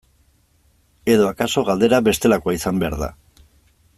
Edo akaso galdera bestelakoa izan behar da.